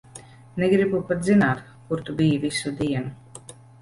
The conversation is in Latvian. Negribu pat zināt, kur tu biji visu dienu.